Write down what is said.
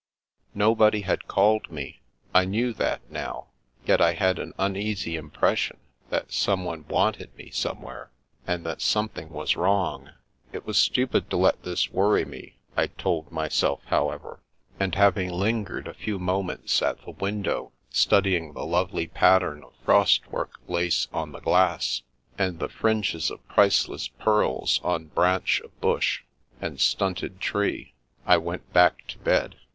Nobody had called me; I knew that, now, yet I had an uneasy impression that someone wanted me somewhere, and that something was wrong. It was stupid to let this worry me, I told myself, how ever; and having lingered a few moments at the window studying the lovely pattern of frost work lace on the glass, and the fringe of priceless pearls on branch of bush, and stunted tree, I went back to bed.